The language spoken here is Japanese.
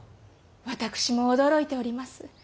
私も驚いております。